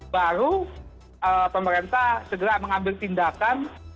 baru pemerintah segera mengambil tindakan